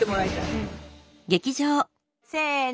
せの。